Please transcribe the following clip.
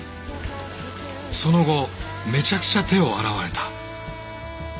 その後めちゃくちゃ手を洗われた。